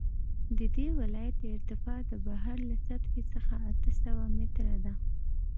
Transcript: د دې ولایت ارتفاع د بحر له سطحې څخه اته سوه متره ده